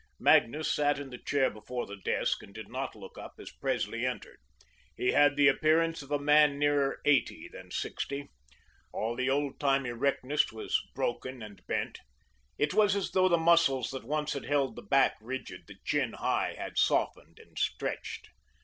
Magnus sat in the chair before the desk and did not look up as Presley entered. He had the appearance of a man nearer eighty than sixty. All the old time erectness was broken and bent. It was as though the muscles that once had held the back rigid, the chin high, had softened and stretched.